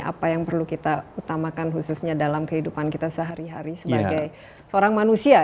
apa yang perlu kita utamakan khususnya dalam kehidupan kita sehari hari sebagai seorang manusia